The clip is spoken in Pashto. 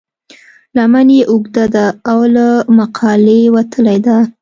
لمن یې اوږده ده او له مقالې وتلې ده.